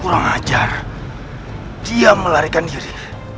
kurang ajar dia melarikan diri